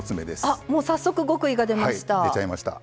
あもう早速極意が出ました。